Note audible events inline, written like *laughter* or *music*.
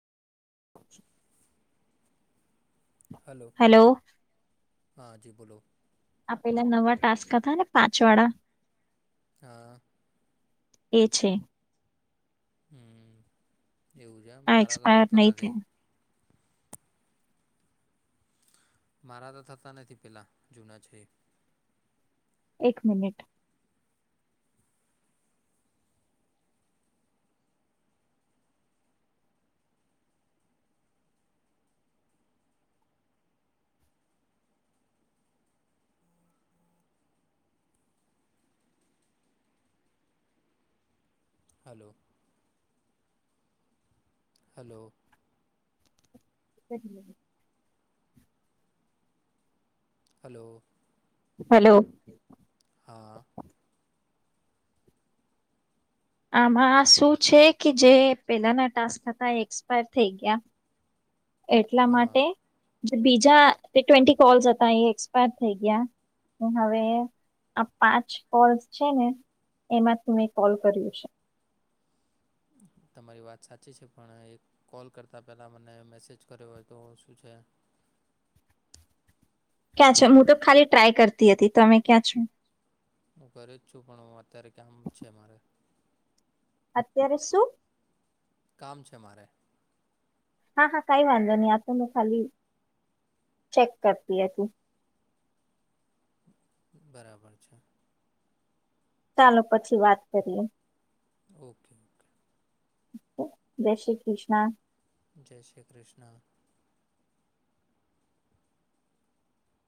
*inaudible* Hello hello હા જી બોલો. આ પેલા નવા ટાસ્ક હતા ને પાંચ વાળા હા. એ છે. હમ એવું છે આમ આ મારા તો એક્સપાયર થતા નહી નથી. થયા મારા તો થતા નથી પેલાં જૂના છે એ. એક minute. Hello. Hello. હહી *inaudible* hello. Hello. હા. આમાં શું છે કે જે પેલાના ટાસ્ક હતા એ એક્સપાયર થઈ ગયા એટલા હા માટે જે બીજા ટ્વેન્ટી કોલ્સ હતા એ એક્સપાયર થઈ ગયા હવે આ પાંચ કોલ છે ને એમાં થી મે કોલ કર્યું છે તમારી વાત સાચી છે પણ એક કોલ કરતાં પહેલાં મને મેસેજ કર્યો હોય તો શું છે ક્યાં છે હું તો ખાલી ટ્રાય કરતી હતી તમે ક્યાં છો હું ઘરે જ છું પણ હું અત્યારે કામ છે મારે અત્યારે શું કામ છે મારે હા હા કાઈ વાંધો નહી આ તો હું ખાલી ચેક કરતી હતી બરાબર છે ચાલો પછી વાત કરીએ ઓકે ઓકે ઓકે જય શ્રી કૃષ્ણા જય શ્રી કૃષ્ણ